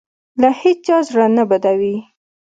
له هېچا زړه نه بدوي.